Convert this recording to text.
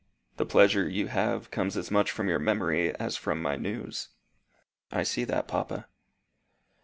The pleasure you have comes as much from your memory as from my news." "I see that, papa."